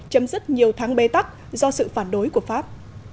chấm dứt nhiều tháng bê tắc do sự phản đối của pháp